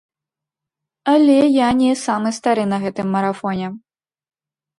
Але я не самы стары на гэтым марафоне.